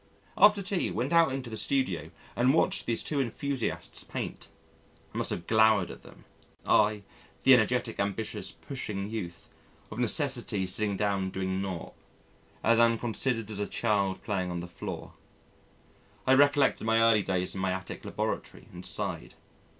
After tea went out into the Studio and watched these two enthusiasts paint. I must have glowered at them. I the energetic, ambitious, pushing youth of necessity sitting down doing nought, as unconsidered as a child playing on the floor. I recollected my early days in my attic laboratory and sighed.